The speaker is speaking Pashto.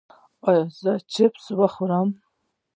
ایا زه چپس وخورم؟